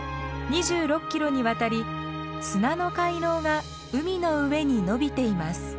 ２６キロにわたり砂の回廊が海の上にのびています。